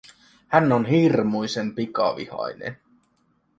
Hän on hirmuisen pikavihainen.